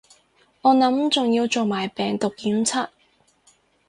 我諗仲要做埋病毒檢測